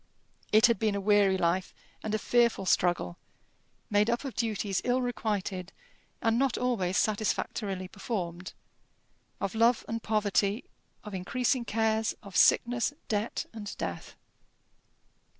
It had been a weary life and a fearful struggle, made up of duties ill requited and not always satisfactorily performed, of love and poverty, of increasing cares, of sickness, debt, and death.